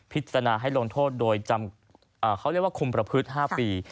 พิจารณาให้ลงโทษโดยคุมประพฤต๕ปี